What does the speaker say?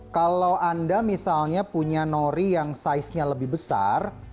kalau anda misalnya punya nori yang saiznya lebih besar